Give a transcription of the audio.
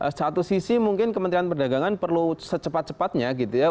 di satu sisi mungkin kementerian perdagangan perlu secepat cepatnya gitu ya